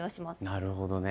なるほどね。